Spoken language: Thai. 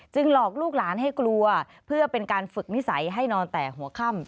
หลอกลูกหลานให้กลัวเพื่อเป็นการฝึกนิสัยให้นอนแต่หัวค่ำ